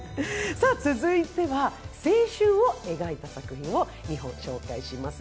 続いては、青春を描いた作品を２本紹介します。